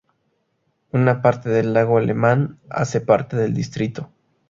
Una parte del lago Lemán hace parte del distrito.